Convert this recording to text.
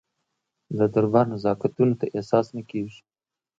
د دربار نزاکتونه ته احساس نه کېږي.